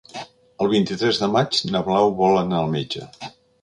El vint-i-tres de maig na Blau vol anar al metge.